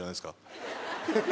ハハハハ！